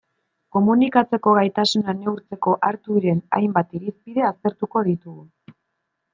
Komunikatzeko gaitasuna neurtzeko hartu diren hainbat irizpide aztertuko ditugu.